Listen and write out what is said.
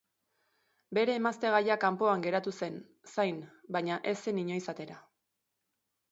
Bere emaztegaia kanpoan geratu zen, zain, baina ez zen inoiz atera.